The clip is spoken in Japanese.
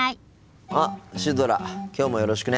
あっシュドラきょうもよろしくね。